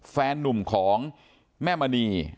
แฟนนุ่มของแม่มณี